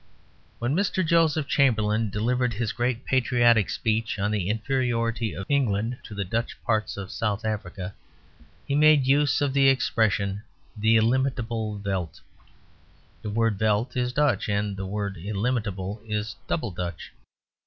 When Mr. Joseph Chamberlain delivered his great patriotic speech on the inferiority of England to the Dutch parts of South Africa, he made use of the expression "the illimitable veldt." The word "veldt" is Dutch, and the word "illimitable" is Double Dutch.